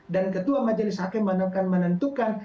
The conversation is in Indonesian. dan ketua majelis hakim menentukan menentukan